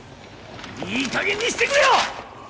いい加減にしてくれよ！